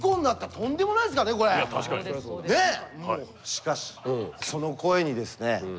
しかしその声にですね